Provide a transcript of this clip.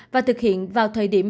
và thực hiện vào thời điểm